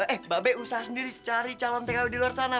eh mbak be usaha sendiri cari calon tkw di luar sana